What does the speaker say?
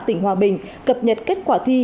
tỉnh hòa bình cập nhật kết quả thi